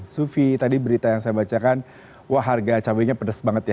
sufi tadi berita yang saya bacakan wah harga cabainya pedas banget ya